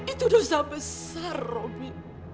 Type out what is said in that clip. itu dosa besar robi